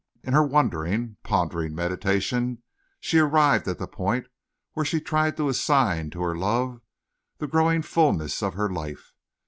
In her wondering, pondering meditation she arrived at the point where she tried to assign to her love the growing fullness of her life.